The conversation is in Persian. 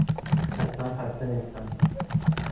اصلا خسته نیستم.